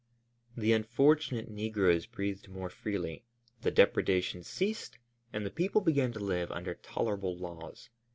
The unfortunate negroes breathed more freely; the depredations ceased and the people began to live under tolerable laws.